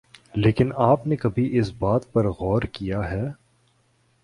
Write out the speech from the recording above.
لیکن آپ نے کبھی اس بات پر غور کیا ہے